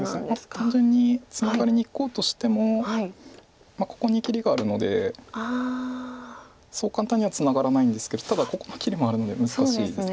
単純にツナがりにいこうとしてもここに切りがあるのでそう簡単にはツナがらないんですけどただここの切りもあるので難しいです。